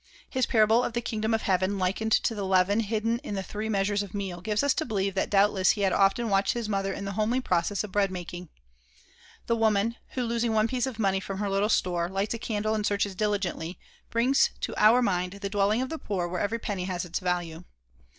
His parable of the kingdom of heaven, likened to the leaven hidden in three measures of meal, gives us to believe that doubtless he had often watched his mother in the homely process of bread making. The woman, who, losing one piece of money from her little store, lights a candle and searches diligently, brings to our mind the dwelling of the poor where every penny has its value.